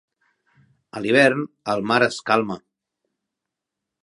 A l'hivern, el mar es calma.